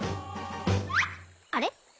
あれ？